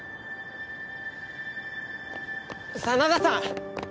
真田さん！